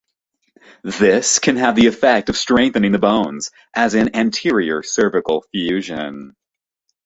This can have the effect of strengthening the bones, as in anterior cervical fusion.